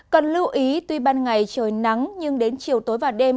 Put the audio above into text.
cần lưu ý tuy ban ngày trời nắng nhưng đến chiều tối và đêm